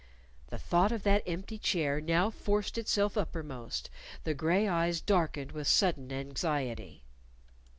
The thought of that empty chair now forced itself uppermost. The gray eyes darkened with sudden anxiety.